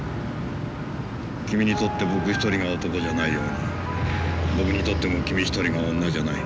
君にとって僕一人が男じゃないように僕にとっても君一人が女じゃない。